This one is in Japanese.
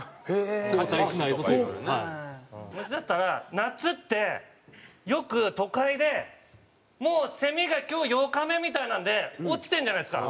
虫だったら夏ってよく都会でもうセミが今日８日目みたいなので落ちてるじゃないですか